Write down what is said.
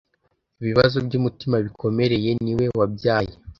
ibibazo byumutima bikomereye - niwe wabyaye?